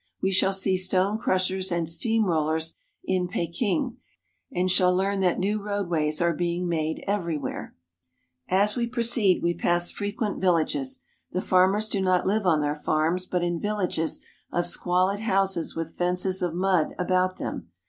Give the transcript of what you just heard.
We shall see stone crushers and steam rollers in Peking, and shall learn that new roadways are being made everywhere. GENERAL VIEW 121 As we proceed we pass frequent villages. The farmers do not live on their farms but in villages of squalid houses with fences of mud about them.